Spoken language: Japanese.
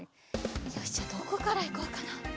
よしじゃあどこからいこうかな？